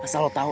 rin asal lo tau